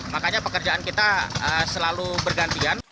makanya pekerjaan kita selalu bergantian